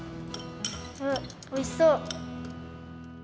あおいしそう！